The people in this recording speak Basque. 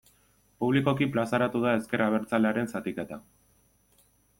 Publikoki plazaratu da ezker abertzalearen zatiketa.